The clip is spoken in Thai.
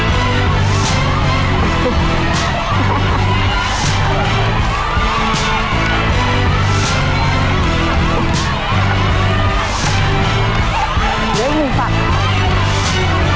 เดี๋ยวอีกหนึ่งฝาก